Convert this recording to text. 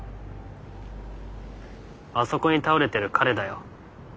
あそこに倒れてる彼だよ。